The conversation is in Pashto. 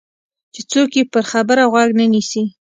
چې څوک یې پر خبره غوږ نه نیسي.